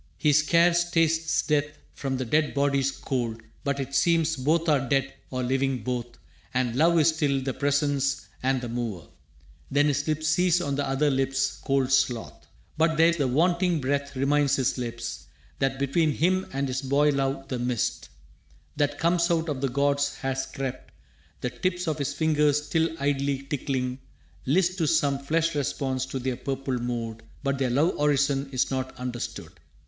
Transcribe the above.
He scarce tastes death from the dead body's cold, But it seems both are dead or living both And love is still the Presence and the Mover. Then his lips cease on the other lips' cold sloth. But there the wanting breath reminds his lips That between him and his boy love the mist That comes out of the gods has crept. The tips Of his fingers, still idly tickling, list To some flesh response to their purple mood. But their love orison is not understood.